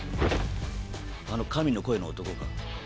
あの神の声の男か？